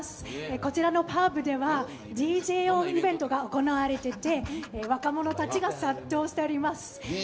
こちらのパブではＤＪイベントが行われていて若者たちが殺到しております。